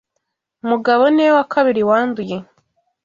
Mugabo niwe wa kabiri wanduye.